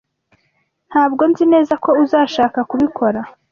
Ntabwo nzi neza ko uzashaka kubikora.